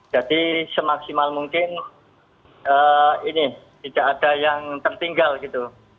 jadi semaksimal mungkin tidak ada yang tertinggal gitu